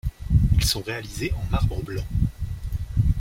Ils sont réalisés en marbre blanc.